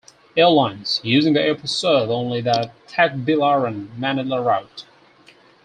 Airlines using the airport serve only the Tagbilaran-Manila route.